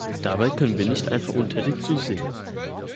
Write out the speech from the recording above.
Dabei können wir nicht einfach untätig zusehen.